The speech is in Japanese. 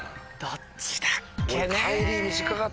どっちだっけねぇ。